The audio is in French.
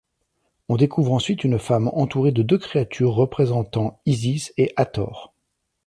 On découvre ensuite une femme entourée de deux créatures représentant Isis et Hathor.